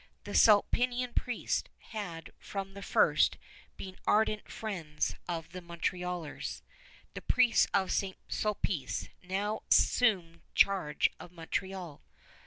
The Sulpician priests had from the first been ardent friends of the Montrealers. The priests of St. Sulpice now assumed charge of Montreal.